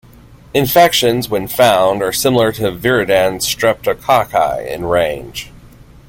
Infections, when found, are similar to "viridans Streptococci" in range.